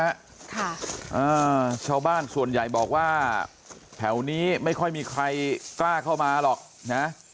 ค่ะอ่าชาวบ้านส่วนใหญ่บอกว่าแถวนี้ไม่ค่อยมีใครกล้าเข้ามาหรอกนะ